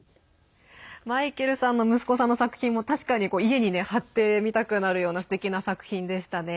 マイケルさんの息子さんの作品も、確かに家に貼ってみたくなるようなすてきな作品でしたね。